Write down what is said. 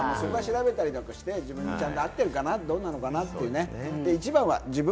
そこは調べたりして、自分に合ってるかどうなのかな？っていうね。